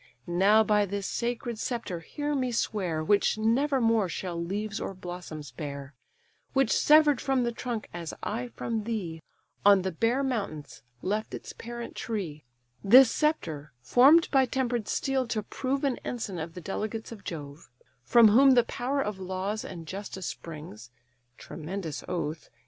Now by this sacred sceptre hear me swear, Which never more shall leaves or blossoms bear, Which sever'd from the trunk (as I from thee) On the bare mountains left its parent tree; This sceptre, form'd by temper'd steel to prove An ensign of the delegates of Jove, From whom the power of laws and justice springs (Tremendous oath!